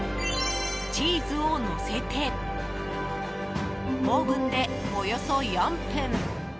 チーズをのせてオーブンでおよそ４分。